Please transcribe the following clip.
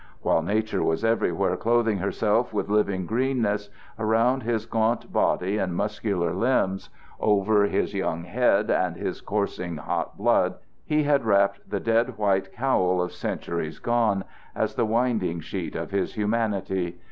While Nature was everywhere clothing itself with living greenness, around his gaunt body and muscular limbs over his young head and his coursing hot blood he had wrapped the dead white cowl of centuries gone as the winding sheet of his humanity.